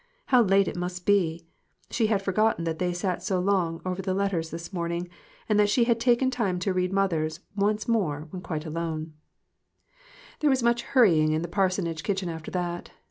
How late it must be ! She had forgotten that they sat so long over the let ters this morning, and that she had taken time to read mother's once more when quite alone. 2O MIXED THINGS. There was much hurrying in the parsonage kitchen after that.